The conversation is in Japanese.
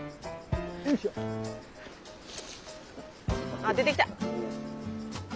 あっ出てきた！